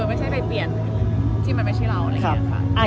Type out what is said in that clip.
ไม่ใช่ไปเปลี่ยนที่มันไม่ใช่เรา